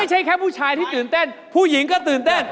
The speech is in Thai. แค่ผู้ชายที่ตื่นเต้นผู้หญิงก็ตื่นเต้น